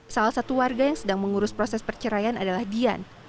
salah satu warga yang sedang mengurus proses perceraian adalah dian